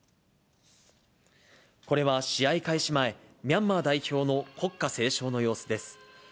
これは試合開始前、ミャンマー代表の国歌斉唱の様子です。